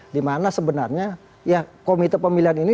dimana sebenarnya ya komite pemilihan ini